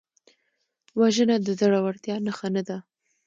وژنه د زړورتیا نښه نه ده